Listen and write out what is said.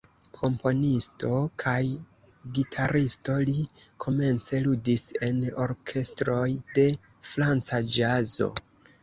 Komponisto kaj gitaristo, li komence ludis en orkestroj de franca ĵazo.